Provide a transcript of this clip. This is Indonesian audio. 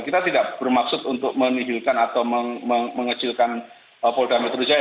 kita tidak bermaksud untuk menihilkan atau mengecilkan poldameter saja